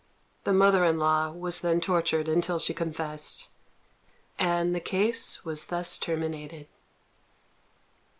The mother in law was then tortured until she confessed, and the case was thus terminated.